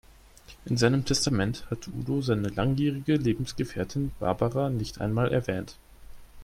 In seinem Testament hat Udo seine langjährige Lebensgefährtin Barbara nicht einmal erwähnt.